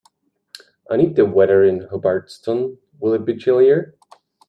I need the weather in Hubbardston, will it be chillier?